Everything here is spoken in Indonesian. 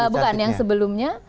bukan yang sebelumnya